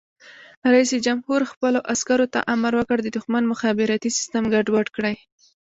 رئیس جمهور خپلو عسکرو ته امر وکړ؛ د دښمن مخابراتي سیسټم ګډوډ کړئ!